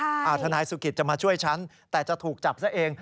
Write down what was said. ทนายสุกิตจะมาช่วยฉันแต่จะถูกจับซะเอง